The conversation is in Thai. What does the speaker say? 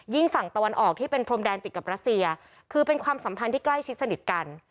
ฝั่งตะวันออกที่เป็นพรมแดนติดกับรัสเซียคือเป็นความสัมพันธ์ที่ใกล้ชิดสนิทกัน